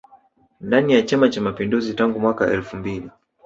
Ndani ya chama cha mapinduzi tangu mwaka elfu mbili